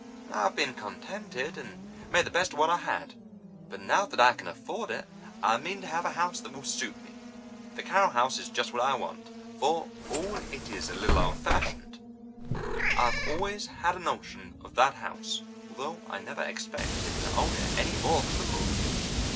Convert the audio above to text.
I've been contented, and made the best of what I had, but now that I can afford it, I mean to have a house that will suit me. The Carroll house is just what I want, for all it is a little old fashioned. I've always had a notion of that house, although I never expected to own it any more than the moon."